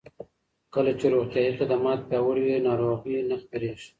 کله چې روغتیايي خدمات پیاوړي وي، ناروغۍ نه خپرېږي.